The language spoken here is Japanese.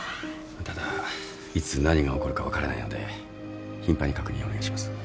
ただいつ何が起こるか分からないので頻繁に確認お願いします。